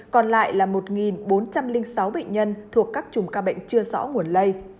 còn lại là một bốn trăm linh sáu bệnh nhân thuộc các chùm ca bệnh chưa rõ nguồn lây